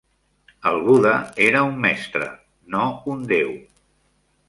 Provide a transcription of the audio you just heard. El Buda era un mestre, no un déu.